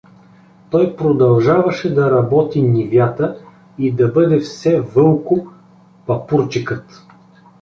Той продължаваше да работи нивята и да бъде все Вълко Папурчикът.